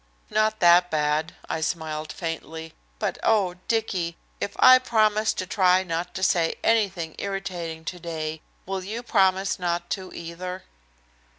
"Not that bad," I smiled faintly. "But oh, Dicky, if I promise to try not to say anything irritating today, will you promise not to, either?"